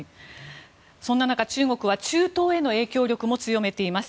そんな中、中国は中東への影響力も強めています。